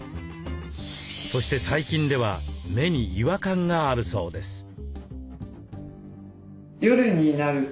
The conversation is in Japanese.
そして最近では目に違和感があるそうです。